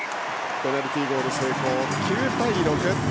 ペナルティーゴール成功、９対６。